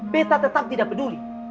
beta tetap tidak peduli